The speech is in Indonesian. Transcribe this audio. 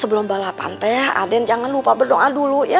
sebelum balapan teh aden jangan lupa berdoa dulu ya